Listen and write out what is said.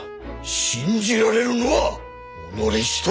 信じられるのは己一人！